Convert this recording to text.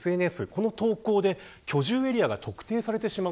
この投稿で居住エリアが特定されてしまう。